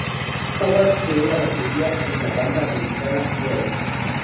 Howard era batería en la banda American Girls.